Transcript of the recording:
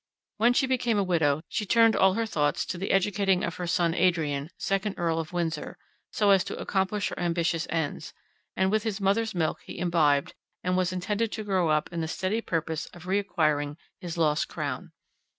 When she became a widow, she turned all her thoughts to the educating her son Adrian, second Earl of Windsor, so as to accomplish her ambitious ends; and with his mother's milk he imbibed, and was intended to grow up in the steady purpose of re acquiring his lost crown.